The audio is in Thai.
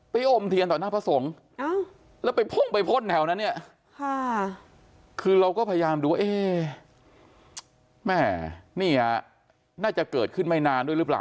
อมเทียนต่อหน้าพระสงฆ์แล้วไปพุ่งไปพ่นแถวนั้นเนี่ยคือเราก็พยายามดูเอ๊แม่นี่น่าจะเกิดขึ้นไม่นานด้วยหรือเปล่า